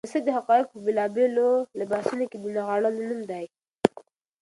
سياست د حقايقو په بېلابېلو لباسونو کې د نغاړلو نوم دی.